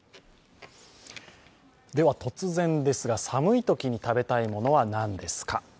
では、突然ですが、寒いときに食べたいものは何ですか？